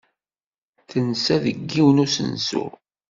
Tensa deg yiwen n usensu.